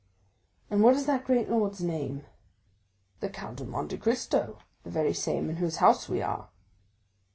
"And what is that great lord's name?" "The Count of Monte Cristo, the very same in whose house we are."